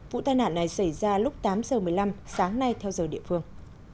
vụ tai nạn này xảy ra lúc tám giờ một mươi năm sáng nay theo giờ địa phương